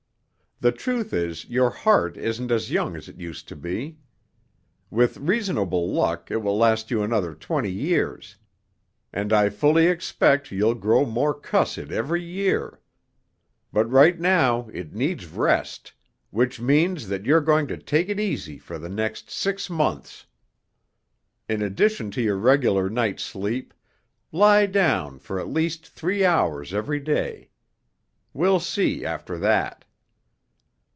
The truth is your heart isn't as young as it used to be. With reasonable luck it will last you another twenty years, and I fully expect you'll grow more cussed every year. But right now it needs rest, which means that you're going to take it easy for the next six months. In addition to your regular night's sleep, lie down for at least three hours every day. We'll see after that."